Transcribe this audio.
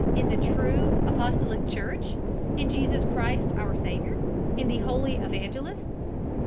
in the true Apostolic Church? in Jesus Christ our Saviour? in the Holy Evangelists?"